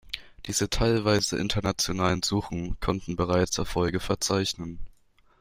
Diese teilweise internationalen Suchen konnten bereits Erfolge verzeichnen.